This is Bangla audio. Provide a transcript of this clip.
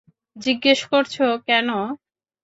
জিজ্ঞেস করছো কেন?